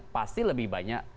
pasti lebih banyak